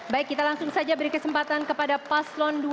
baik kita langsung saja beri kesempatan kepada paslon dua